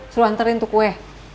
silahkan anterin ke kue